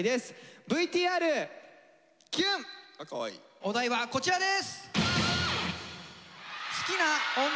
お題はこちらです。